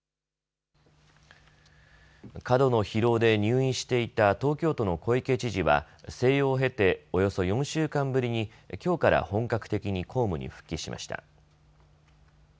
過度の疲労で入院していた東京都の小池知事は静養を経ておよそ４週間ぶりに、きょうから本格的に公務に復帰しました。